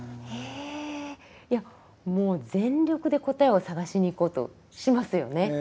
もう全力で答えを探しにいこうとしますよね。